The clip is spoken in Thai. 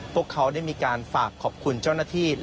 พวกเขาได้มีการฝากขอบคุณเจ้าหน้าที่